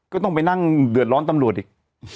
ก็ต้องไปนั่งเดือดร้อนตำรวจอีก